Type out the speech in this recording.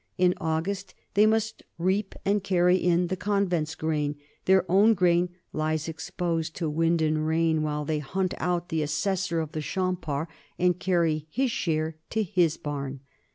In August they must reap and carry in the convent's grain ; their own grain lies exposed to wind and rain while they hunt out the assessor of the champart and carry his share to his barn.